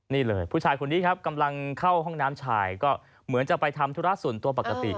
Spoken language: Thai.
นี่เลยผู้ชายคนนี้ครับกำลังเข้าห้องน้ำชายก็เหมือนจะไปทำธุระส่วนตัวปกติ